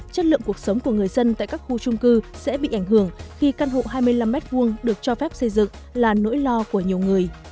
chất lượng cuộc sống của người dân tại các khu trung cư sẽ bị ảnh hưởng khi căn hộ hai mươi năm m hai được cho phép xây dựng là nỗi lo của nhiều người